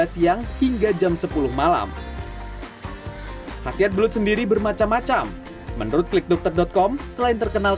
siang hingga jam sepuluh malam khasiat belut sendiri bermacam macam menurut klikdokter com selain terkenal